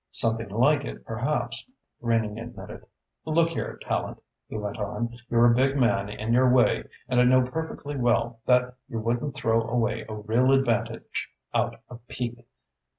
"Something like it, perhaps," Greening admitted. "Look here, Tallente," he went on, "you're a big man in your way and I know perfectly well that you wouldn't throw away a real advantage out of pique.